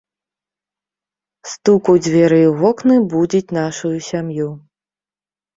Стук у дзверы і ў вокны будзіць нашую сям'ю.